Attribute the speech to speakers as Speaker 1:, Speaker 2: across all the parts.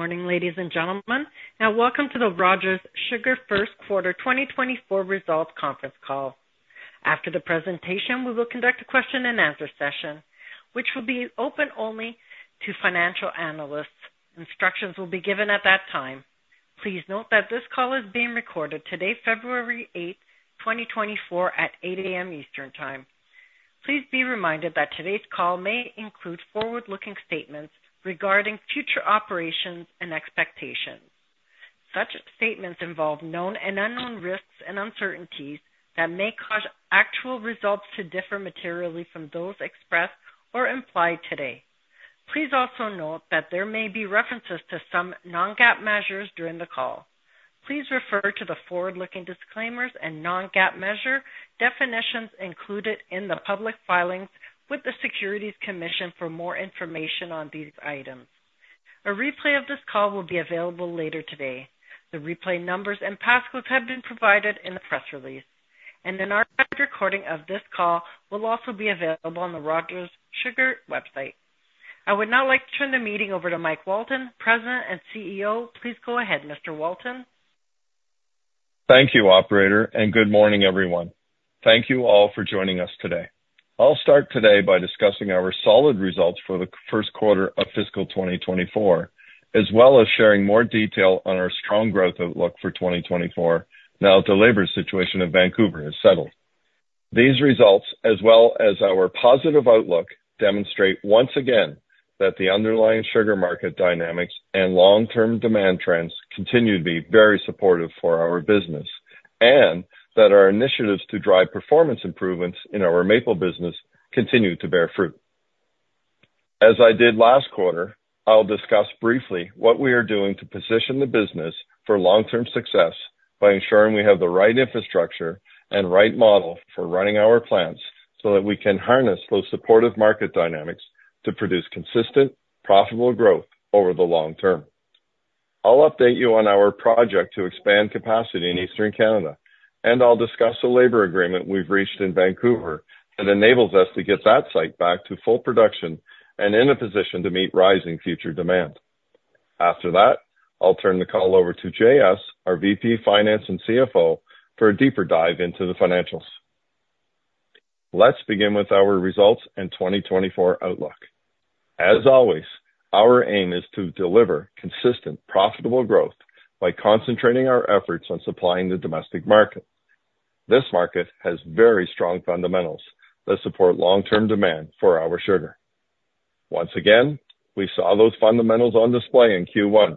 Speaker 1: Good morning, ladies and gentlemen, and welcome to the Rogers Sugar First Quarter 2024 Results Conference Call. After the presentation, we will conduct a question and answer session, which will be open only to financial analysts. Instructions will be given at that time. Please note that this call is being recorded today, February 8, 2024, at 8:00 A.M. Eastern Time. Please be reminded that today's call may include forward-looking statements regarding future operations and expectations. Such statements involve known and unknown risks and uncertainties that may cause actual results to differ materially from those expressed or implied today. Please also note that there may be references to some non-GAAP measures during the call. Please refer to the forward-looking disclaimers and non-GAAP measure definitions included in the public filings with the Securities Commission for more information on these items. A replay of this call will be available later today. The replay numbers and passcodes have been provided in the press release, and an archive recording of this call will also be available on the Rogers Sugar website. I would now like to turn the meeting over to Mike Walton, President and CEO. Please go ahead, Mr. Walton.
Speaker 2: Thank you, operator, and good morning, everyone. Thank you all for joining us today. I'll start today by discussing our solid results for the first quarter of fiscal 2024, as well as sharing more detail on our strong growth outlook for 2024 now that the labor situation in Vancouver has settled. These results, as well as our positive outlook, demonstrate once again that the underlying sugar market dynamics and long-term demand trends continue to be very supportive for our business, and that our initiatives to drive performance improvements in our maple business continue to bear fruit. As I did last quarter, I'll discuss briefly what we are doing to position the business for long-term success by ensuring we have the right infrastructure and right model for running our plants, so that we can harness those supportive market dynamics to produce consistent, profitable growth over the long term. I'll update you on our project to expand capacity in Eastern Canada, and I'll discuss the labor agreement we've reached in Vancouver that enables us to get that site back to full production and in a position to meet rising future demand. After that, I'll turn the call over to JS, our VP Finance and CFO, for a deeper dive into the financials. Let's begin with our results in 2024 outlook. As always, our aim is to deliver consistent, profitable growth by concentrating our efforts on supplying the domestic market. This market has very strong fundamentals that support long-term demand for our sugar. Once again, we saw those fundamentals on display in Q1,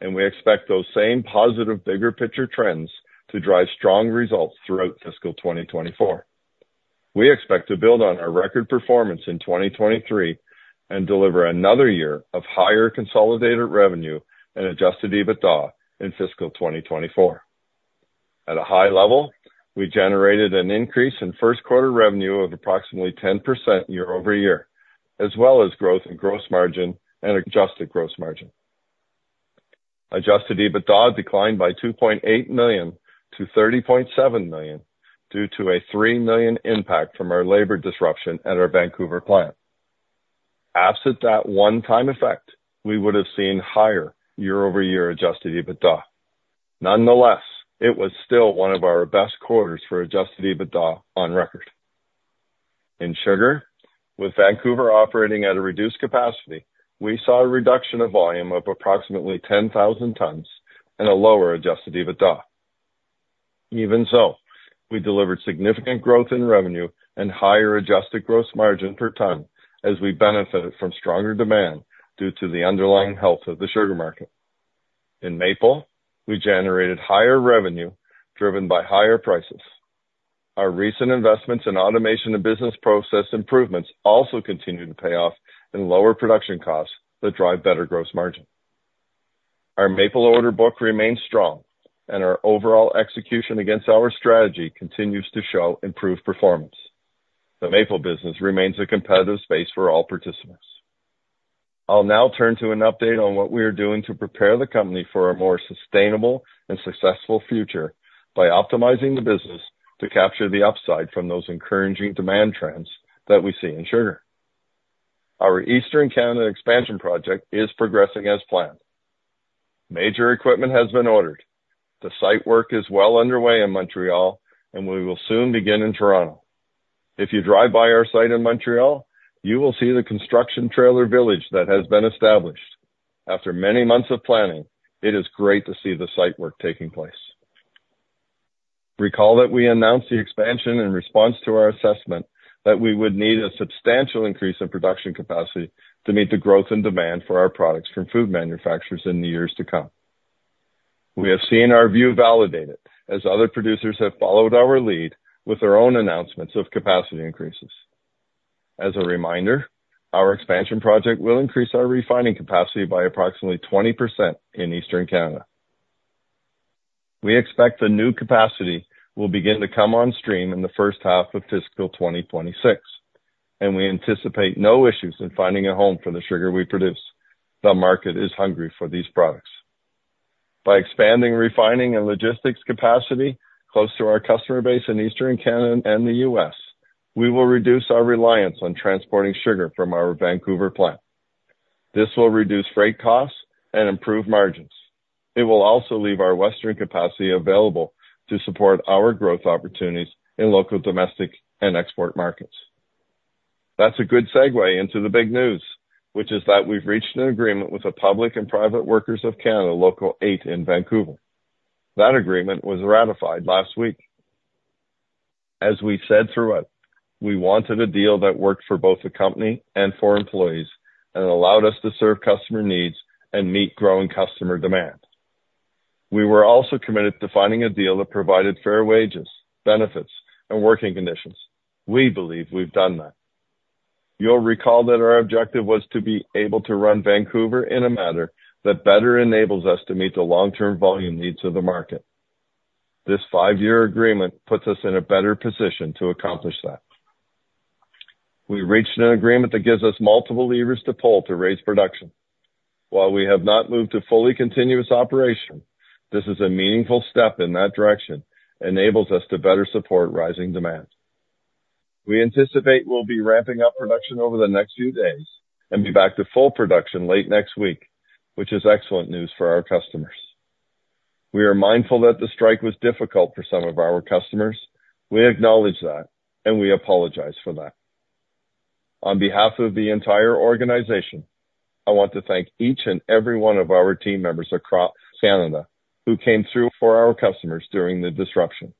Speaker 2: and we expect those same positive, bigger picture trends to drive strong results throughout fiscal 2024. We expect to build on our record performance in 2023 and deliver another year of higher consolidated revenue and adjusted EBITDA in fiscal 2024. At a high level, we generated an increase in first quarter revenue of approximately 10% year-over-year, as well as growth in gross margin and adjusted gross margin. Adjusted EBITDA declined by 2.8 million to 30.7 million due to a 3 million impact from our labor disruption at our Vancouver plant. Absent that one-time effect, we would have seen higher year-over-year adjusted EBITDA. Nonetheless, it was still one of our best quarters for adjusted EBITDA on record. In sugar, with Vancouver operating at a reduced capacity, we saw a reduction of volume of approximately 10,000 tons and a lower adjusted EBITDA. Even so, we delivered significant growth in revenue and higher Adjusted Gross Margin per ton as we benefited from stronger demand due to the underlying health of the sugar market. In maple, we generated higher revenue, driven by higher prices. Our recent investments in automation and business process improvements also continue to pay off in lower production costs that drive better gross margin. Our maple order book remains strong, and our overall execution against our strategy continues to show improved performance. The maple business remains a competitive space for all participants. I'll now turn to an update on what we are doing to prepare the company for a more sustainable and successful future by optimizing the business to capture the upside from those encouraging demand trends that we see in sugar. Our Eastern Canada expansion project is progressing as planned. Major equipment has been ordered. The site work is well underway in Montreal, and we will soon begin in Toronto. If you drive by our site in Montreal, you will see the construction trailer village that has been established. After many months of planning, it is great to see the site work taking place. Recall that we announced the expansion in response to our assessment that we would need a substantial increase in production capacity to meet the growth and demand for our products from food manufacturers in the years to come. We have seen our view validated as other producers have followed our lead with their own announcements of capacity increases. As a reminder, our expansion project will increase our refining capacity by approximately 20% in Eastern Canada. We expect the new capacity will begin to come on stream in the first half of fiscal 2026, and we anticipate no issues in finding a home for the sugar we produce. The market is hungry for these products. By expanding refining and logistics capacity close to our customer base in Eastern Canada and the U.S., we will reduce our reliance on transporting sugar from our Vancouver plant. This will reduce freight costs and improve margins. It will also leave our western capacity available to support our growth opportunities in local, domestic, and export markets. That's a good segue into the big news, which is that we've reached an agreement with the Public and Private Workers of Canada, Local Eight in Vancouver. That agreement was ratified last week. As we said throughout, we wanted a deal that worked for both the company and for employees, and allowed us to serve customer needs and meet growing customer demand. We were also committed to finding a deal that provided fair wages, benefits, and working conditions. We believe we've done that. You'll recall that our objective was to be able to run Vancouver in a manner that better enables us to meet the long-term volume needs of the market. This five-year agreement puts us in a better position to accomplish that. We reached an agreement that gives us multiple levers to pull to raise production. While we have not moved to fully continuous operation, this is a meaningful step in that direction, enables us to better support rising demand. We anticipate we'll be ramping up production over the next few days and be back to full production late next week, which is excellent news for our customers. We are mindful that the strike was difficult for some of our customers. We acknowledge that, and we apologize for that. On behalf of the entire organization, I want to thank each and every one of our team members across Canada who came through for our customers during the disruption.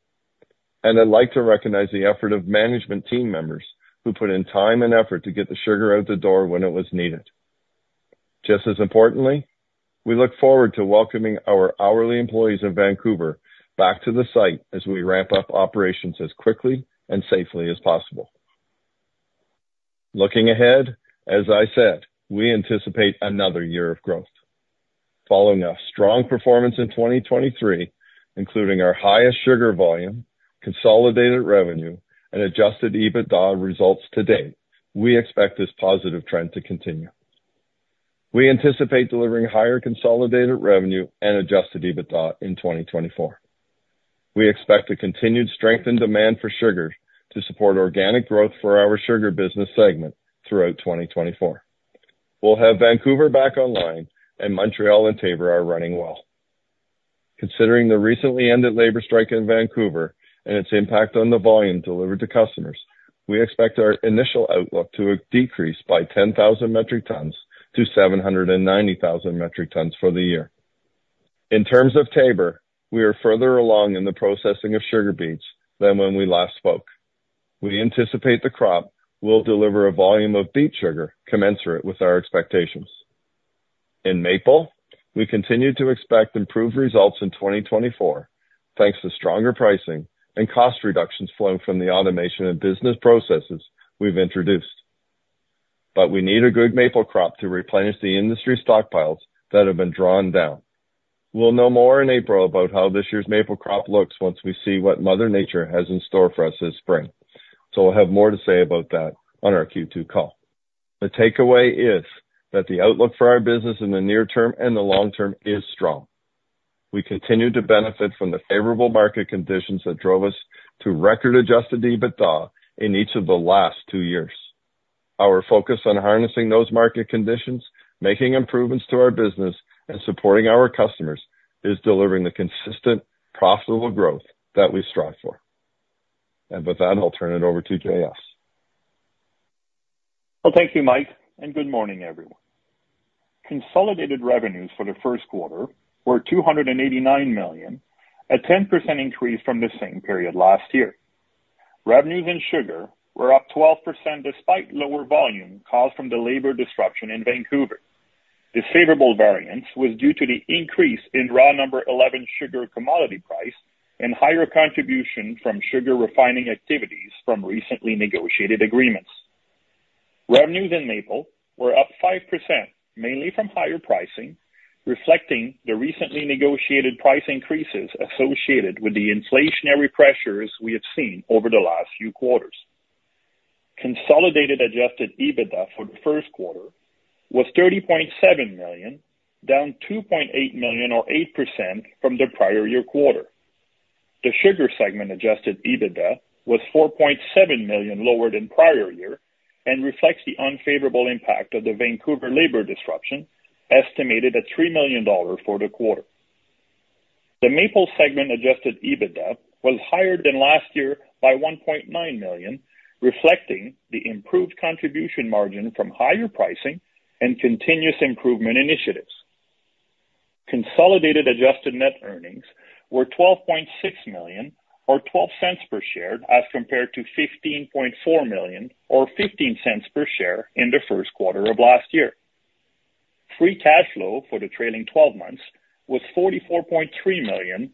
Speaker 2: And I'd like to recognize the effort of management team members, who put in time and effort to get the sugar out the door when it was needed. Just as importantly, we look forward to welcoming our hourly employees in Vancouver back to the site as we ramp up operations as quickly and safely as possible. Looking ahead, as I said, we anticipate another year of growth. Following a strong performance in 2023, including our highest sugar volume, consolidated revenue, and adjusted EBITDA results to date, we expect this positive trend to continue. We anticipate delivering higher consolidated revenue and adjusted EBITDA in 2024. We expect a continued strength in demand for sugar to support organic growth for our sugar business segment throughout 2024. We'll have Vancouver back online, and Montreal and Taber are running well. Considering the recently ended labor strike in Vancouver and its impact on the volume delivered to customers, we expect our initial outlook to decrease by 10,000 metric tons to 790,000 metric tons for the year. In terms of Taber, we are further along in the processing of sugar beets than when we last spoke. We anticipate the crop will deliver a volume of beet sugar commensurate with our expectations. In maple, we continue to expect improved results in 2024, thanks to stronger pricing and cost reductions flowing from the automation and business processes we've introduced. But we need a good maple crop to replenish the industry stockpiles that have been drawn down. We'll know more in April about how this year's maple crop looks once we see what Mother Nature has in store for us this spring, so we'll have more to say about that on our Q2 call. The takeaway is that the outlook for our business in the near term and the long term is strong. We continue to benefit from the favorable market conditions that drove us to record Adjusted EBITDA in each of the last two years. Our focus on harnessing those market conditions, making improvements to our business, and supporting our customers, is delivering the consistent, profitable growth that we strive for. With that, I'll turn it over to JS.
Speaker 3: Well, thank you, Mike, and good morning, everyone. Consolidated revenues for the first quarter were 289 million, a 10% increase from the same period last year. Revenues in sugar were up 12%, despite lower volume caused from the labor disruption in Vancouver. This favorable variance was due to the increase in raw No. 11 sugar commodity price and higher contribution from sugar refining activities from recently negotiated agreements. Revenues in maple were up 5%, mainly from higher pricing, reflecting the recently negotiated price increases associated with the inflationary pressures we have seen over the last few quarters. Consolidated Adjusted EBITDA for the first quarter was 30.7 million, down 2.8 million or 8% from the prior year quarter. The sugar segment Adjusted EBITDA was 4.7 million lower than prior year and reflects the unfavorable impact of the Vancouver labor disruption, estimated at 3 million dollars for the quarter. The maple segment Adjusted EBITDA was higher than last year by 1.9 million, reflecting the improved contribution margin from higher pricing and continuous improvement initiatives. Consolidated adjusted net earnings were 12.6 million, or 0.12 per share, as compared to 15.4 million, or 0.15 per share in the first quarter of last year. Free Cash Flow for the trailing twelve months was 44.3 million,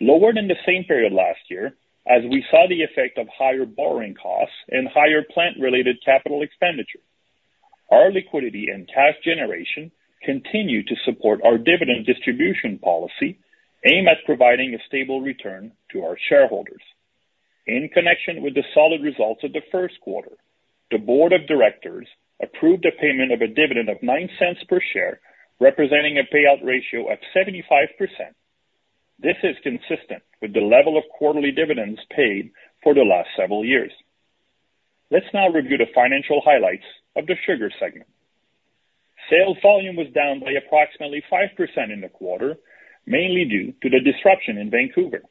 Speaker 3: lower than the same period last year, as we saw the effect of higher borrowing costs and higher plant-related capital expenditures. Our liquidity and cash generation continue to support our dividend distribution policy, aimed at providing a stable return to our shareholders. In connection with the solid results of the first quarter, the board of directors approved a payment of a dividend of 0.09 per share, representing a payout ratio of 75%. This is consistent with the level of quarterly dividends paid for the last several years. Let's now review the financial highlights of the sugar segment. Sales volume was down by approximately 5% in the quarter, mainly due to the disruption in Vancouver.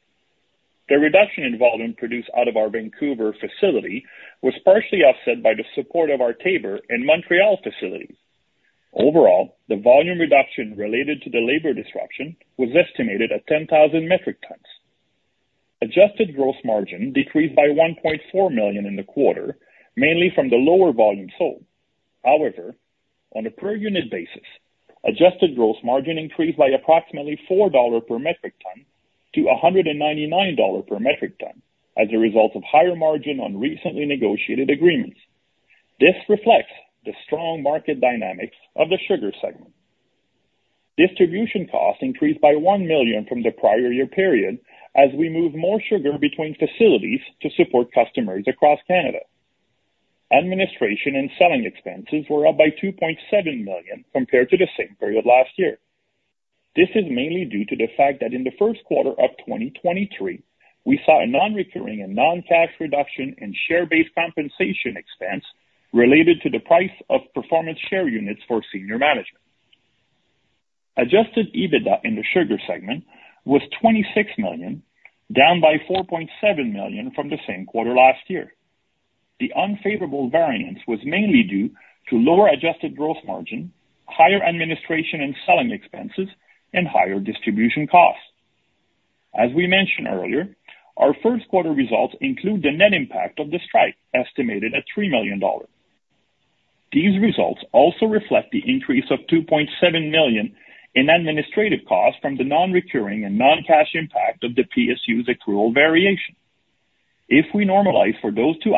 Speaker 3: The reduction in volume produced out of our Vancouver facility was partially offset by the support of our Taber and Montreal facilities. Overall, the volume reduction related to the labor disruption was estimated at 10,000 metric tons. Adjusted gross margin decreased by 1.4 million in the quarter, mainly from the lower volume sold. However, on a per unit basis, adjusted gross margin increased by approximately 4 dollars per metric ton to 199 dollars per metric ton, as a result of higher margin on recently negotiated agreements. This reflects the strong market dynamics of the sugar segment. Distribution costs increased by 1 million from the prior year period as we moved more sugar between facilities to support customers across Canada. Administration and selling expenses were up by 2.7 million compared to the same period last year. This is mainly due to the fact that in the first quarter of 2023, we saw a non-recurring and non-cash reduction in share-based compensation expense related to the price of performance share units for senior management. Adjusted EBITDA in the sugar segment was 26 million, down by 4.7 million from the same quarter last year. The unfavorable variance was mainly due to lower adjusted gross margin, higher administration and selling expenses, and higher distribution costs. As we mentioned earlier, our first quarter results include the net impact of the strike, estimated at 3 million dollars. These results also reflect the increase of 2.7 million in administrative costs from the non-recurring and non-cash impact of the PSUs accrual variation. If we normalize for those two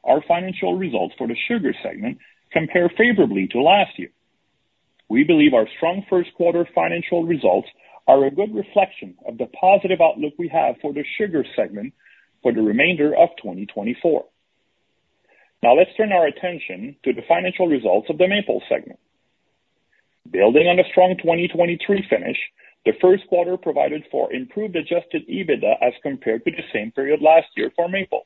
Speaker 3: items, our financial results for the sugar segment compare favorably to last year. We believe our strong first quarter financial results are a good reflection of the positive outlook we have for the sugar segment for the remainder of 2024. Now, let's turn our attention to the financial results of the maple segment. Building on a strong 2023 finish, the first quarter provided for improved Adjusted EBITDA as compared to the same period last year for maple.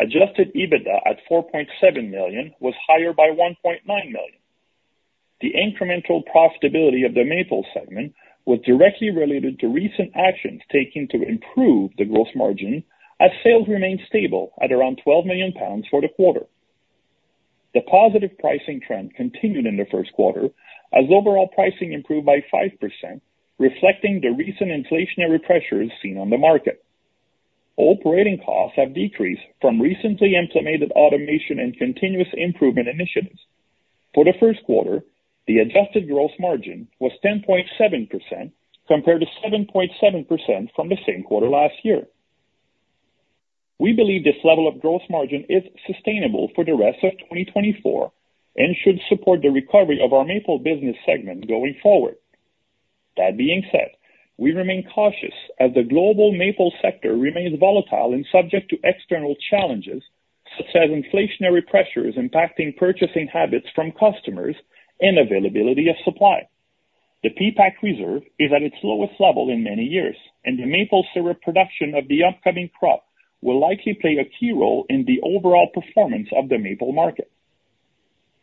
Speaker 3: Adjusted EBITDA at 4.7 million was higher by 1.9 million. The incremental profitability of the maple segment was directly related to recent actions taken to improve the gross margin, as sales remained stable at around 12 million lbs for the quarter. The positive pricing trend continued in the first quarter, as overall pricing improved by 5%, reflecting the recent inflationary pressures seen on the market. Operating costs have decreased from recently implemented automation and continuous improvement initiatives. For the first quarter, the Adjusted Gross Margin was 10.7%, compared to 7.7% from the same quarter last year. We believe this level of gross margin is sustainable for the rest of 2024 and should support the recovery of our maple business segment going forward. That being said, we remain cautious as the global maple sector remains volatile and subject to external challenges, such as inflationary pressures impacting purchasing habits from customers and availability of supply. The PPAQ reserve is at its lowest level in many years, and the maple syrup production of the upcoming crop will likely play a key role in the overall performance of the maple market.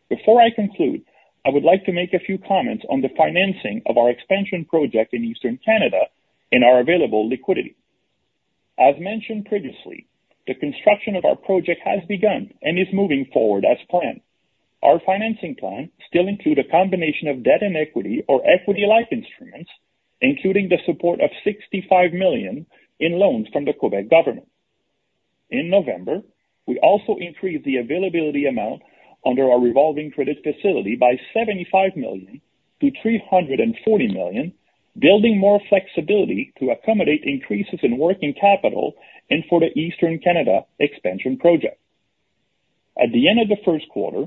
Speaker 3: Before I conclude, I would like to make a few comments on the financing of our expansion project in Eastern Canada and our available liquidity. As mentioned previously, the construction of our project has begun and is moving forward as planned. Our financing plan still include a combination of debt and equity or equity-like instruments, including the support of 65 million in loans from the Québec government. In November, we also increased the availability amount under our revolving credit facility by 75 million to 340 million, building more flexibility to accommodate increases in working capital and for the Eastern Canada expansion project. At the end of the first quarter,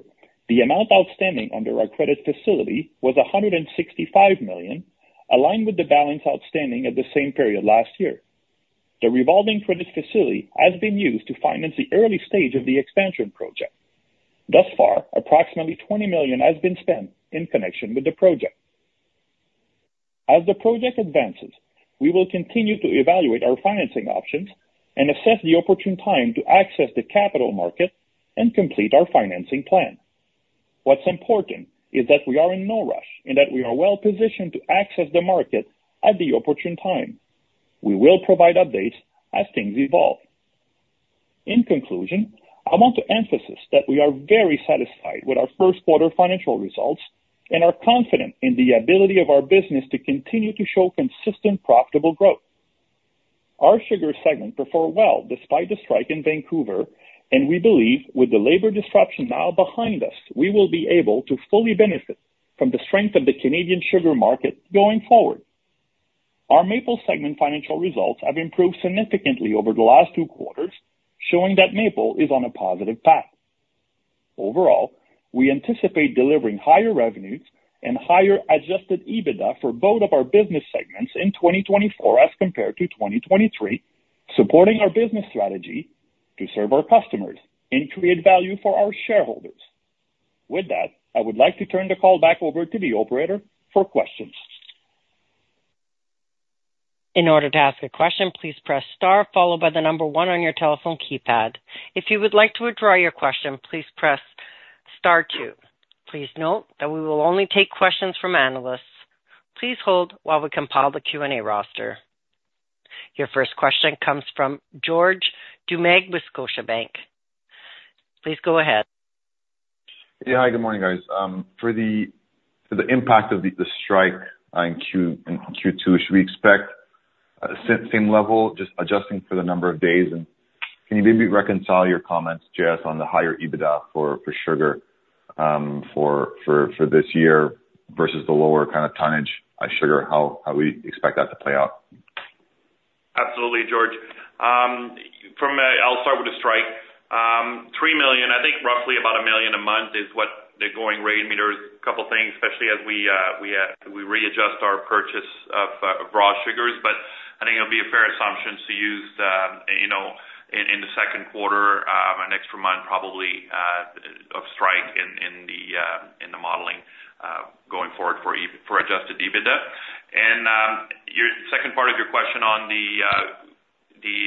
Speaker 3: the amount outstanding under our credit facility was CAD 165 million, aligned with the balance outstanding at the same period last year. The revolving credit facility has been used to finance the early stage of the expansion project. Thus far, approximately 20 million has been spent in connection with the project. As the project advances, we will continue to evaluate our financing options and assess the opportune time to access the capital market and complete our financing plan. What's important is that we are in no rush and that we are well-positioned to access the market at the opportune time. We will provide updates as things evolve. In conclusion, I want to emphasize that we are very satisfied with our first quarter financial results and are confident in the ability of our business to continue to show consistent, profitable growth. Our sugar segment performed well despite the strike in Vancouver, and we believe with the labor disruption now behind us, we will be able to fully benefit from the strength of the Canadian sugar market going forward. Our maple segment financial results have improved significantly over the last two quarters, showing that maple is on a positive path. ...Overall, we anticipate delivering higher revenues and higher Adjusted EBITDA for both of our business segments in 2024 as compared to 2023, supporting our business strategy to serve our customers and create value for our shareholders. With that, I would like to turn the call back over to the operator for questions.
Speaker 1: In order to ask a question, please press star followed by the number one on your telephone keypad. If you would like to withdraw your question, please press star two. Please note that we will only take questions from analysts. Please hold while we compile the Q&A roster. Your first question comes from George Doumet with Scotiabank. Please go ahead.
Speaker 4: Yeah. Hi, good morning, guys. For the impact of the strike in Q2, should we expect same level, just adjusting for the number of days? And can you maybe reconcile your comments, J.S., on the higher EBITDA for sugar for this year versus the lower kind of tonnage on sugar, how we expect that to play out?
Speaker 3: Absolutely, George. I'll start with the strike. 3 million, I think roughly about 1 million a month is what the going rate matters. A couple of things, especially as we readjust our purchase of raw sugars. But I think it'll be a fair assumption to use, you know, in the second quarter, an extra month probably, of strike in the modeling, going forward for Adjusted EBITDA. And your second part of your question on the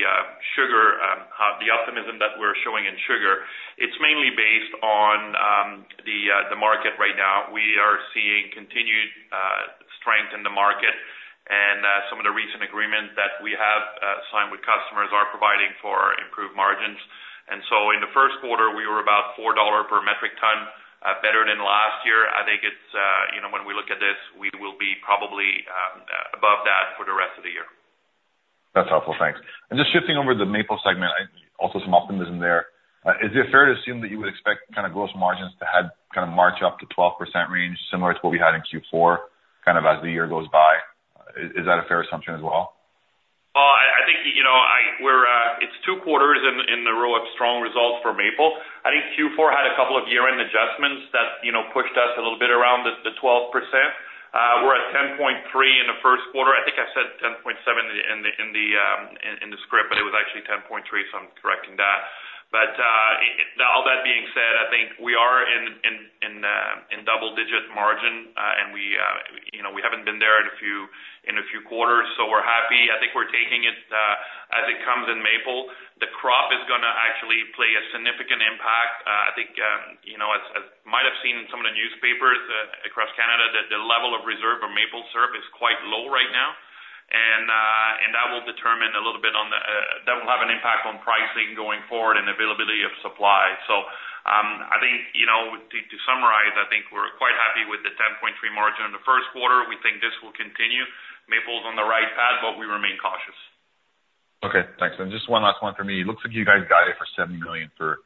Speaker 3: sugar, the optimism that we're showing in sugar, it's mainly based on the market right now. We are seeing continued strength in the market, and some of the recent agreements that we have signed with customers are providing for improved margins. In the first quarter, we were about $4 per metric ton better than last year. I think it's, you know, when we look at this, we will be probably above that for the rest of the year.
Speaker 4: That's helpful. Thanks. Just shifting over to the maple segment, also some optimism there. Is it fair to assume that you would expect kind of gross margins to head kind of march up to 12% range, similar to what we had in Q4, kind of as the year goes by? Is that a fair assumption as well?
Speaker 3: Well, I think, you know, we're two quarters in a row of strong results for maple. I think Q4 had a couple of year-end adjustments that, you know, pushed us a little bit around the 12%. We're at 10.3% in the first quarter. I think I said 10.7% in the script, but it was actually 10.3%, so I'm correcting that. But all that being said, I think we are in double-digit margin, and we, you know, we haven't been there in a few quarters, so we're happy. I think we're taking it as it comes in maple. The crop is gonna actually play a significant impact. I think, you know, as you might have seen in some of the newspapers across Canada, that the level of reserve of maple syrup is quite low right now. And that will have an impact on pricing going forward and availability of supply. So, I think, you know, to summarize, I think we're quite happy with the 10.3 margin in the first quarter. We think this will continue. maple's on the right path, but we remain cautious.
Speaker 4: Okay, thanks. And just one last one for me. It looks like you guys guided for 70 million for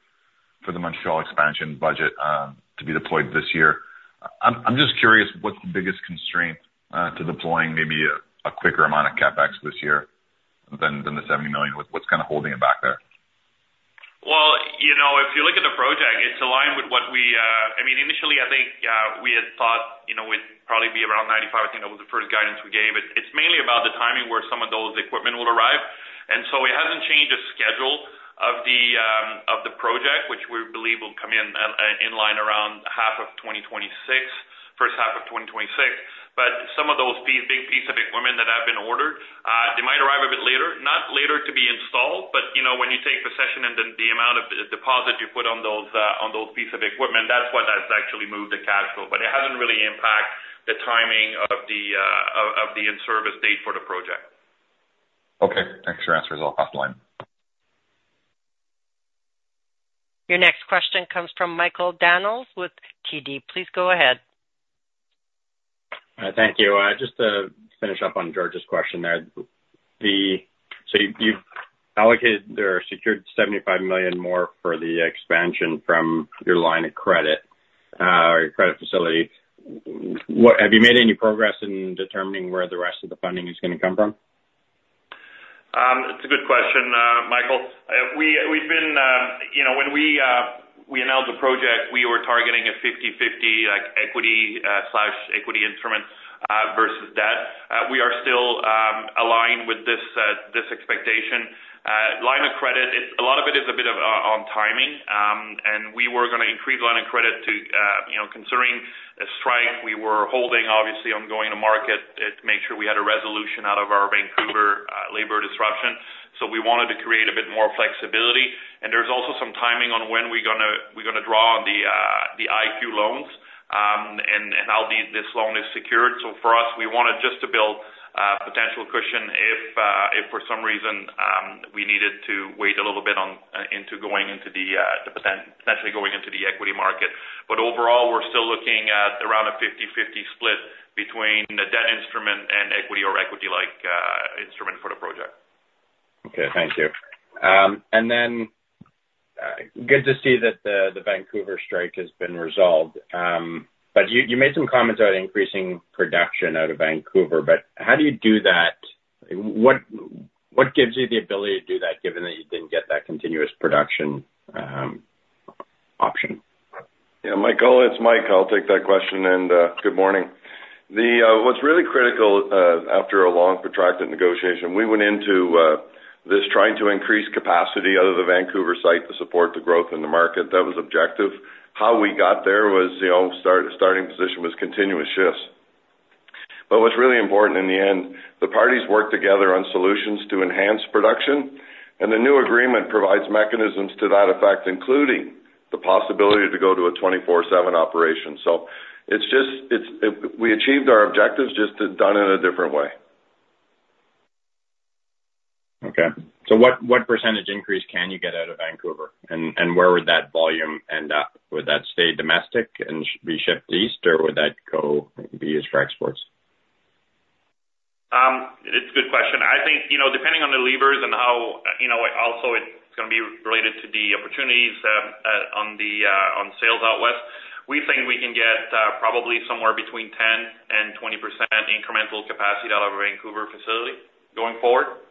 Speaker 4: the Montreal expansion budget to be deployed this year. I'm just curious, what's the biggest constraint to deploying maybe a quicker amount of CapEx this year than the 70 million? What's kind of holding it back there?
Speaker 3: Well, you know, if you look at the project, it's aligned with what we, I mean, initially, I think, we had thought, you know, it'd probably be around 95. I think that was the first guidance we gave. It's mainly about the timing where some of those equipment will arrive. And so it hasn't changed the schedule of the project, which we believe will come in line around half of 2026, first half of 2026. But some of those big piece of equipment that have been ordered, they might arrive a bit later, not later to be installed, but, you know, when you take possession and then the amount of deposit you put on those, on those piece of equipment, that's what has actually moved the cash flow. But it hasn't really impacted the timing of the in-service date for the project.
Speaker 4: Okay. Thanks. Your answer is all offline.
Speaker 1: Your next question comes from Michael Van Aelst with TD. Please go ahead.
Speaker 5: Thank you. Just to finish up on George's question there. So you've allocated or secured 75 million more for the expansion from your line of credit or your credit facility. What have you made any progress in determining where the rest of the funding is gonna come from?
Speaker 3: It's a good question, Michael. We've been, you know, when we announced the project, we were targeting a 50/50, like, equity slash equity instrument versus debt. We are still aligned with this expectation. Line of credit, it's a lot of it is a bit on timing. And we were gonna increase line of credit to, you know, considering the strike, we were holding obviously on going to market to make sure we had a resolution out of our Vancouver labor disruption. So we wanted to create a bit more flexibility. And there's also some timing on when we're gonna draw on the IQ loans, and how this loan is secured. So for us, we wanted just to build potential cushion if for some reason we needed to wait a little bit on into going into the to potentially going into the equity market. But overall, we're still looking at around a 50/50 split between the debt instrument and equity or equity-like instrument for the project.
Speaker 5: Okay. Thank you. And then, good to see that the Vancouver strike has been resolved. But you made some comments about increasing production out of Vancouver, but how do you do that? What gives you the ability to do that, given that you didn't get that continuous production option?
Speaker 2: Yeah, Michael, it's Mike. I'll take that question, and good morning. What's really critical after a long, protracted negotiation, we went into this trying to increase capacity out of the Vancouver site to support the growth in the market. That was objective. How we got there was, you know, starting position was continuous shifts. But what's really important in the end, the parties worked together on solutions to enhance production, and the new agreement provides mechanisms to that effect, including the possibility to go to a 24/7 operation. So it's just, we achieved our objectives, just done in a different way.
Speaker 5: Okay, so what, what percentage increase can you get out of Vancouver? And, and where would that volume end up? Would that stay domestic and be shipped east, or would that go and be used for exports?
Speaker 3: It's a good question. I think, you know, depending on the levers and how, you know, also it's gonna be related to the opportunities on sales out west, we think we can get probably somewhere between 10% and 20% incremental capacity out of our Vancouver facility going forward.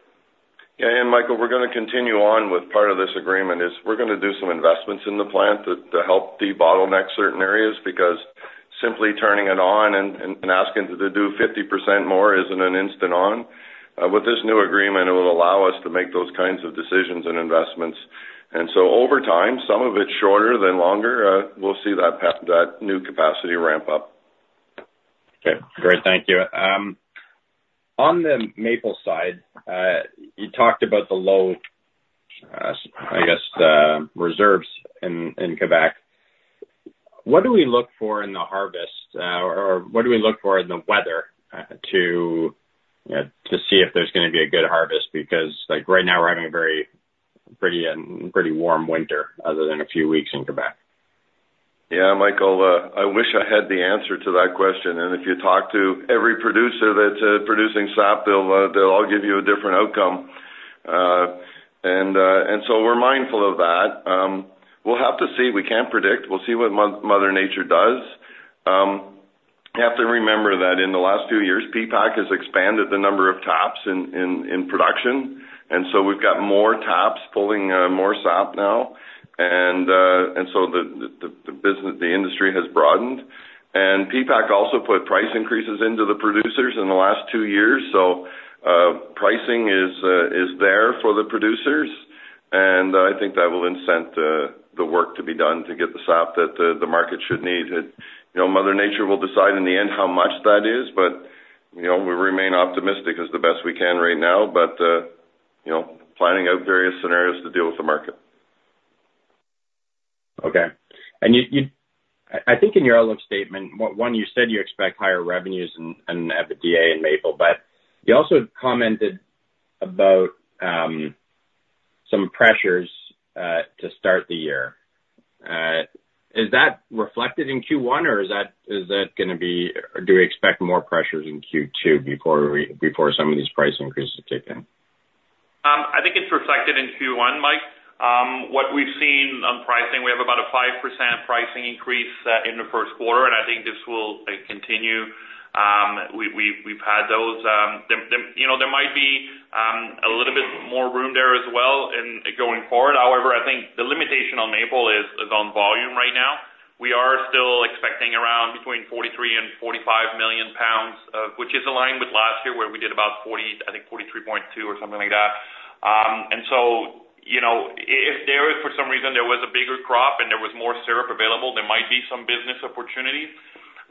Speaker 2: Yeah, and Michael, we're gonna continue on with part of this agreement, is we're gonna do some investments in the plant to help debottleneck certain areas, because simply turning it on and asking it to do 50% more isn't an instant on. With this new agreement, it will allow us to make those kinds of decisions and investments. And so over time, some of it shorter than longer, we'll see that path. That new capacity ramp up.
Speaker 5: Okay, great. Thank you. On the maple side, you talked about the low, I guess, reserves in Quebec. What do we look for in the harvest? Or what do we look for in the weather to see if there's gonna be a good harvest? Because, like, right now, we're having a very pretty and pretty warm winter, other than a few weeks in Quebec.
Speaker 2: Yeah, Michael, I wish I had the answer to that question, and if you talk to every producer that's producing sap, they'll all give you a different outcome. And so we're mindful of that. We'll have to see. We can't predict. We'll see what Mother Nature does. You have to remember that in the last few years, PPAQ has expanded the number of taps in production, and so we've got more taps pulling more sap now. And so the business, the industry has broadened. And PPAQ also put price increases into the producers in the last two years, so pricing is there for the producers, and I think that will incent the work to be done to get the sap that the market should need. You know, Mother Nature will decide in the end how much that is, but, you know, we remain optimistic as the best we can right now, but, you know, planning out various scenarios to deal with the market.
Speaker 5: Okay. And you, I think in your outlook statement, one, you said you expect higher revenues and EBITDA in maple, but you also commented about some pressures to start the year. Is that reflected in Q1, or is that gonna be... Do you expect more pressures in Q2 before some of these price increases kick in?
Speaker 3: I think it's reflected in Q1, Mike. What we've seen on pricing, we have about a 5% pricing increase in the first quarter, and I think this will continue. We've had those. You know, there might be a little bit more room there as well in going forward. However, I think the limitation on maple is on volume right now. We are still expecting around between 43 and 45 million lbs, which is aligned with last year, where we did about 40, I think, 43.2 or something like that. And so, you know, if there is, for some reason, there was a bigger crop and there was more syrup available, there might be some business opportunities.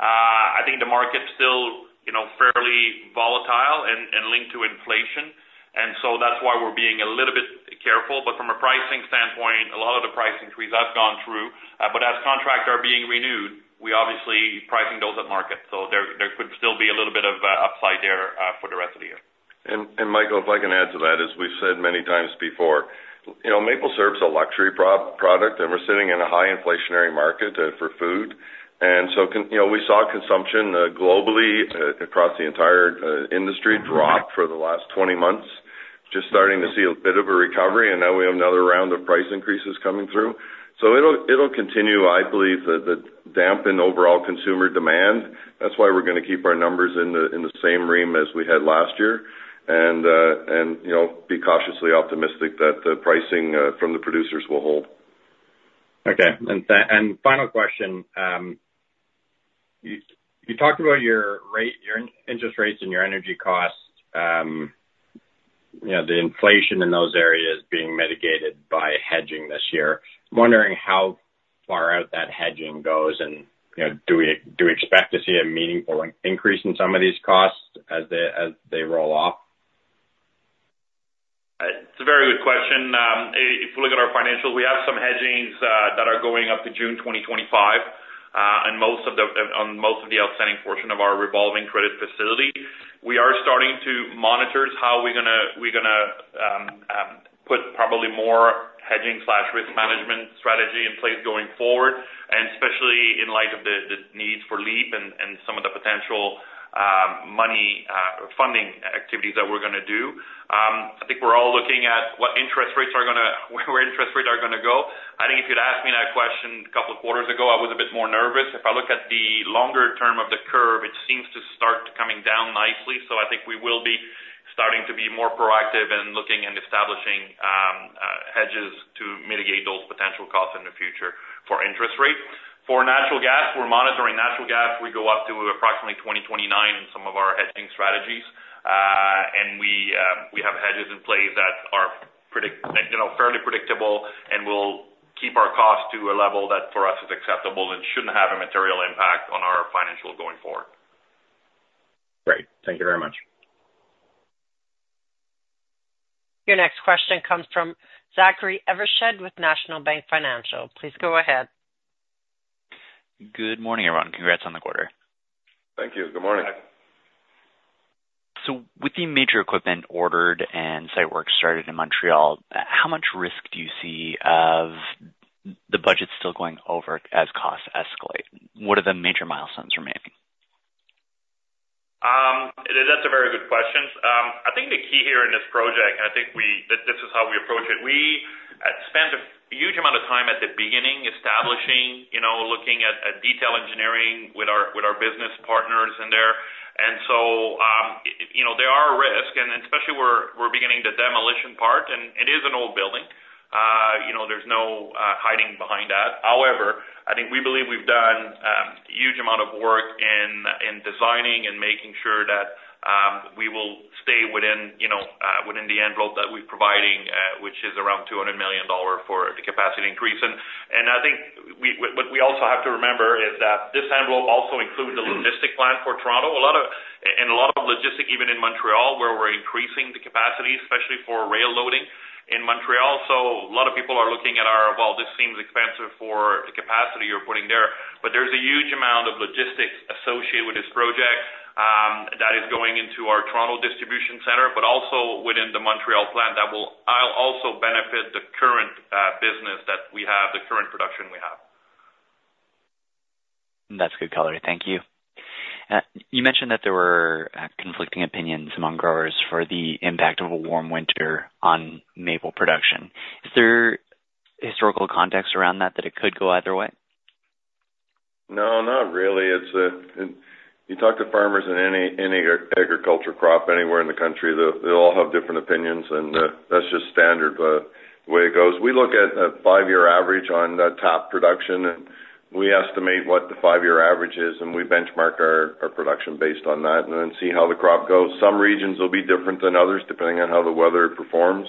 Speaker 3: I think the market's still, you know, fairly volatile and linked to inflation, and so that's why we're being a little bit careful. But from a pricing standpoint, a lot of the price increases have gone through, but as contracts are being renewed, we obviously pricing those at market, so there could still be a little bit of upside there, for the rest of the year.
Speaker 2: Michael, if I can add to that, as we've said many times before, you know, maple syrup is a luxury product, and we're sitting in a high inflationary market for food. And so, you know, we saw consumption globally across the entire industry drop for the last 20 months, just starting to see a bit of a recovery, and now we have another round of price increases coming through. So it'll continue, I believe, to dampen overall consumer demand. That's why we're gonna keep our numbers in the same realm as we had last year, and, you know, be cautiously optimistic that the pricing from the producers will hold.
Speaker 5: Okay. And final question, you talked about your rate, your interest rates and your energy costs, you know, the inflation in those areas being mitigated by hedging this year. I'm wondering how far out that hedging goes, and, you know, do we expect to see a meaningful increase in some of these costs as they roll off?
Speaker 3: It's a very good question. If you look at our financials, we have some hedgings that are going up to June 2025, and most of the outstanding portion of our revolving credit facility. We are starting to monitor how we're gonna put probably more hedging slash risk management strategy in place going forward, and especially in light of the needs for LEAP and some of the potential money funding activities that we're gonna do. I think we're all looking at where interest rates are gonna go. I think if you'd asked me that question a couple of quarters ago, I was a bit more nervous. If I look at the longer term of the curve, it seems to start coming down nicely. So I think we will be starting to be more proactive in looking and establishing hedges to mitigate those potential costs in the future for interest rates. For natural gas, we're monitoring natural gas. We go up to approximately 2029 in some of our hedging strategies. And we have hedges in place that are predictable, you know, fairly predictable, and will keep our costs to a level that, for us, is acceptable and shouldn't have a material impact on our financials going forward.
Speaker 5: Great. Thank you very much.
Speaker 1: Your next question comes from Zachary Evershed with National Bank Financial. Please go ahead.
Speaker 6: Good morning, everyone. Congrats on the quarter.
Speaker 2: Thank you. Good morning.
Speaker 3: Hi.
Speaker 6: So with the major equipment ordered and site work started in Montreal, how much risk do you see of the budget still going over as costs escalate? What are the major milestones remaining?
Speaker 3: That's a very good question. I think the key here in this project, and I think that this is how we approach it: We spent a huge amount of time at the beginning establishing, you know, looking at detail engineering with our business partners in there. And so, you know, there are risks, and especially we're beginning the demolition part, and it is an old building. You know, there's no hiding behind that. However, I think we believe we've done huge amount of work in designing and making sure that we will stay within, you know, within the envelope that we're providing, which is around 200 million dollars for the capacity increase. I think what we also have to remember is that this envelope also includes the logistics plan for Toronto. A lot of logistics, even in Montreal, where we're increasing the capacity, especially for rail loading in Montreal. So a lot of people are looking at our: Well, this seems expensive for the capacity you're putting there, but there's a huge amount of logistics associated with this project that is going into our Toronto distribution center, but also within the Montreal plant, that will also benefit the current business that we have, the current production we have.
Speaker 6: That's good color. Thank you. You mentioned that there were conflicting opinions among growers for the impact of a warm winter on maple production. Is there historical context around that, that it could go either way?
Speaker 2: No, not really. It's... You talk to farmers in any agriculture crop anywhere in the country, they'll all have different opinions, and that's just standard, the way it goes. We look at a five-year average on the top production, and we estimate what the five-year average is, and we benchmark our production based on that and then see how the crop goes. Some regions will be different than others, depending on how the weather performs.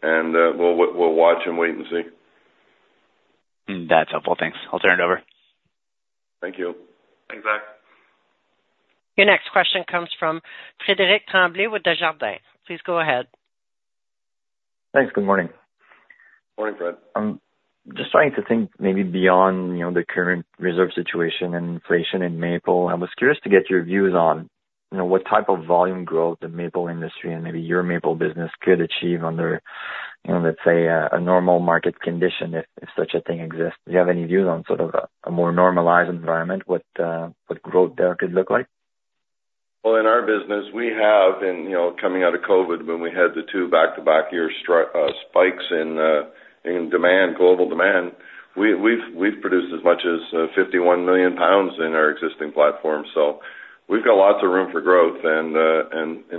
Speaker 2: We'll watch and wait and see.
Speaker 6: That's helpful. Thanks. I'll turn it over.
Speaker 2: Thank you.
Speaker 3: Thanks, Zach.
Speaker 1: Your next question comes from Frederic Tremblay with Desjardins. Please go ahead.
Speaker 7: Thanks. Good morning.
Speaker 2: Morning, Fred.
Speaker 7: I'm just trying to think maybe beyond, you know, the current reserve situation and inflation in maple. I was curious to get your views on, you know, what type of volume growth the maple industry and maybe your maple business could achieve under, you know, let's say, a normal market condition, if such a thing exists. Do you have any views on sort of a more normalized environment, what, what growth there could look like?
Speaker 2: Well, in our business, we have, and, you know, coming out of COVID, when we had the two back-to-back year spikes in, in demand, global demand, we've produced as much as, 51 million lbs in our existing platform. So we've got lots of room for growth and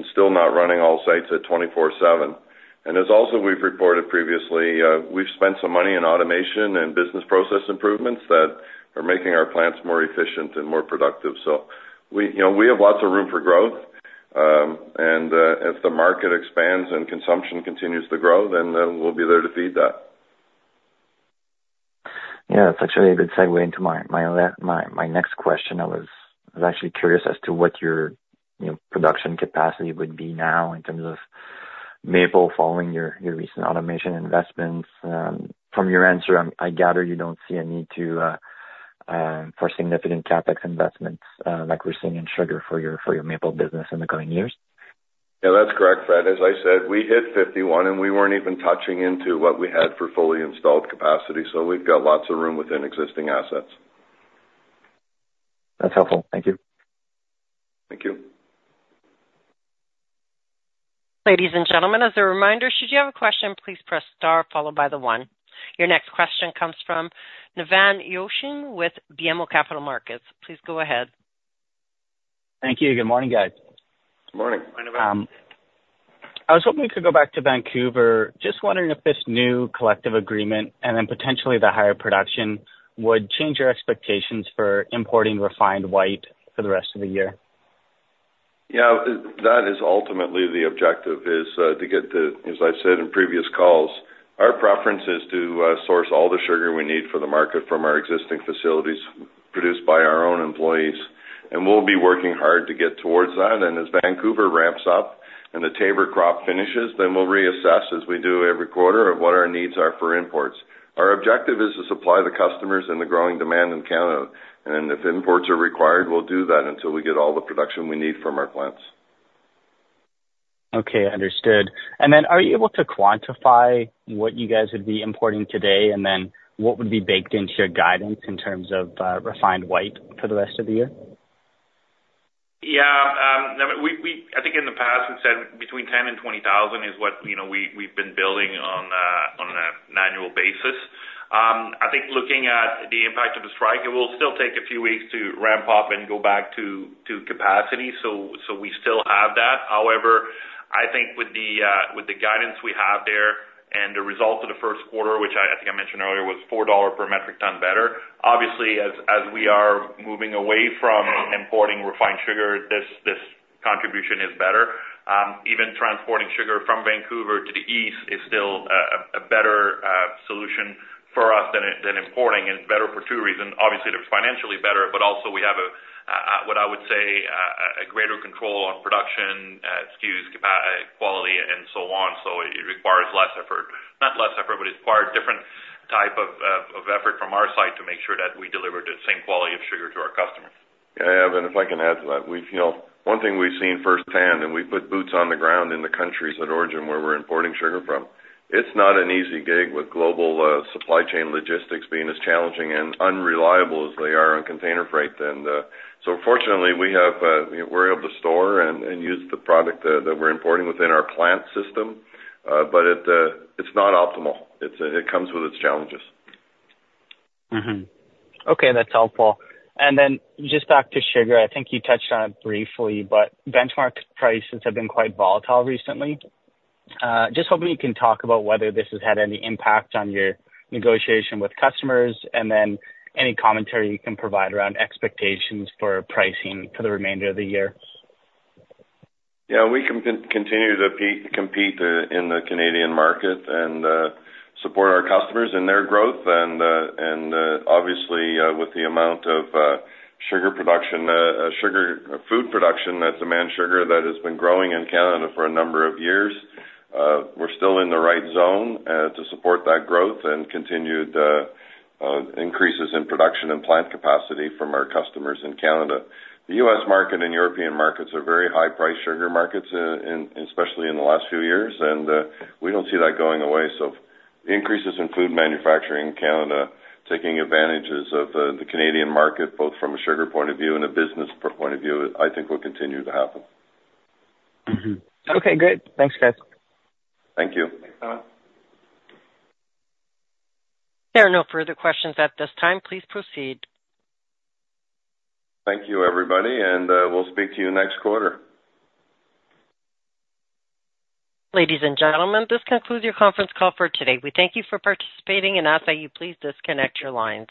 Speaker 2: still not running all sites at 24/7. And as also we've reported previously, we've spent some money in automation and business process improvements that are making our plants more efficient and more productive. So, you know, we have lots of room for growth, and as the market expands and consumption continues to grow, then we'll be there to feed that.
Speaker 7: Yeah, that's actually a good segue into my next question. I was actually curious as to what your, you know, production capacity would be now in terms of maple, following your recent automation investments. From your answer, I gather you don't see a need for significant CapEx investments, like we're seeing in sugar for your maple business in the coming years?
Speaker 2: Yeah, that's correct, Fred. As I said, we hit 51, and we weren't even touching into what we had for fully installed capacity, so we've got lots of room within existing assets.
Speaker 7: That's helpful. Thank you.
Speaker 2: Thank you.
Speaker 1: Ladies and gentlemen, as a reminder, should you have a question, please press star followed by the one. Your next question comes from Nevan Yochim with BMO Capital Markets. Please go ahead.
Speaker 8: Thank you. Good morning, guys.
Speaker 2: Good morning.
Speaker 3: Good morning, Nevan.
Speaker 8: I was hoping we could go back to Vancouver. Just wondering if this new collective agreement and then potentially the higher production would change your expectations for importing refined white for the rest of the year?
Speaker 2: Yeah, that is ultimately the objective, is, to get to... As I said in previous calls, our preference is to, source all the sugar we need for the market from our existing facilities, produced by our own employees, and we'll be working hard to get towards that. And as Vancouver ramps up and the Taber crop finishes, then we'll reassess, as we do every quarter, of what our needs are for imports. Our objective is to supply the customers and the growing demand in Canada, and then if imports are required, we'll do that until we get all the production we need from our plants.
Speaker 8: Okay, understood. Are you able to quantify what you guys would be importing today, and then what would be baked into your guidance in terms of, refined white for the rest of the year?
Speaker 3: ...Yeah, I think in the past, we've said between 10 and 20,000 is what, you know, we've been building on an annual basis. I think looking at the impact of the strike, it will still take a few weeks to ramp up and go back to capacity. So, we still have that. However, I think with the guidance we have there and the results of the first quarter, which I think I mentioned earlier, was 4 dollar per metric ton better. Obviously, as we are moving away from importing refined sugar, this contribution is better. Even transporting sugar from Vancouver to the east is still a better solution for us than importing, and it's better for two reasons. Obviously, it's financially better, but also we have a, what I would say, a greater control on production, SKUs, capacity, quality, and so on. So it requires less effort. Not less effort, but it requires different type of, of, of effort from our side to make sure that we deliver the same quality of sugar to our customers.
Speaker 2: Yeah, and if I can add to that, we've, you know, one thing we've seen firsthand, and we've put boots on the ground in the countries at origin where we're importing sugar from. It's not an easy gig with global supply chain logistics being as challenging and unreliable as they are on container freight. And so fortunately, we have, we're able to store and use the product that we're importing within our plant system. But it, it's not optimal. It comes with its challenges.
Speaker 8: Mm-hmm. Okay, that's helpful. And then just back to sugar, I think you touched on it briefly, but benchmark prices have been quite volatile recently. Just hoping you can talk about whether this has had any impact on your negotiation with customers, and then any commentary you can provide around expectations for pricing for the remainder of the year.
Speaker 2: Yeah, we continue to compete in the Canadian market and obviously with the amount of sugar production, sugar, food production that demand sugar that has been growing in Canada for a number of years. We're still in the right zone to support that growth and continued increases in production and plant capacity from our customers in Canada. The U.S. market and European markets are very high-priced sugar markets, especially in the last few years, and we don't see that going away. So increases in food manufacturing in Canada, taking advantages of the Canadian market, both from a sugar point of view and a business point of view, I think will continue to happen.
Speaker 8: Mm-hmm. Okay, great. Thanks, guys.
Speaker 2: Thank you.
Speaker 3: Thanks, Nevan.
Speaker 1: There are no further questions at this time. Please proceed.
Speaker 2: Thank you, everybody, and we'll speak to you next quarter.
Speaker 1: Ladies and gentlemen, this concludes your conference call for today. We thank you for participating and ask that you please disconnect your lines.